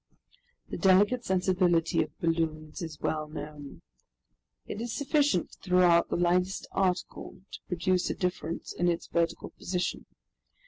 The delicate sensibility of balloons is well known. It is sufficient to throw out the lightest article to produce a difference in its vertical position.